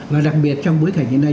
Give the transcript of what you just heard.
và đặc biệt trong bối cảnh như thế này